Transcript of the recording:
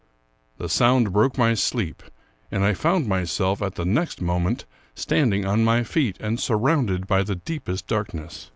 " The sound broke my sleep, and I found myself, at the next moment, standing on my feet, and surrounded by the deepest darkness.